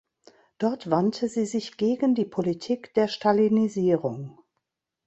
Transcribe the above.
Dort wandte sie sich gegen die Politik der Stalinisierung.